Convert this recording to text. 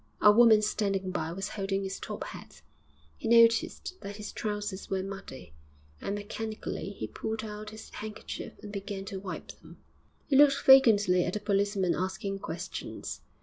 A woman standing by was holding his top hat; he noticed that his trousers were muddy, and mechanically he pulled out his handkerchief and began to wipe them. He looked vacantly at the policeman asking questions.